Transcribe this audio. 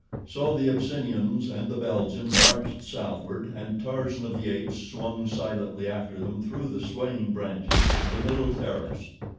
So the Abyssinians and the Belgian marched southward and Tarzan of the Apes swung silently after them through the swaying branches of the middle terrace.